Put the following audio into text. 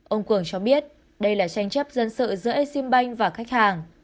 ông cường cho biết đây là tranh chấp dân sự giữa exim bank và khách hàng